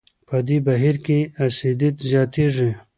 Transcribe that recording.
په دې بهیر کې اسیدیت زیاتېږي.